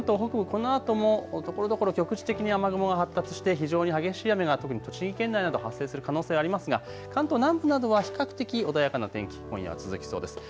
このあともところどころ局地的に雨雲が発達して非常に激しい雨が特に栃木県内など発生する可能性がありますが関東南部などは比較的穏やかな天気が今夜は続きそうです。